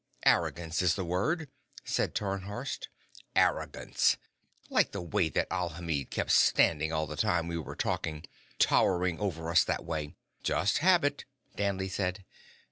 "Arrogance is the word," said Tarnhorst. "Arrogance. Like the way that Alhamid kept standing all the time we were talking, towering over us that way." "Just habit," Danley said.